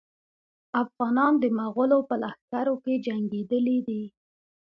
افغانان د مغولو په لښکرو کې جنګېدلي دي.